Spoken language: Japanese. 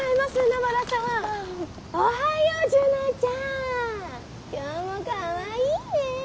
おはよう樹奈ちゃん。今日もかわいいね。